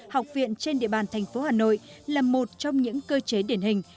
học viện trên địa bàn thành phố hà nội là một trong những cơ chế điển hình